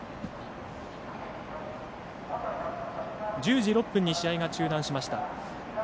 １０時６分に試合が中断しました。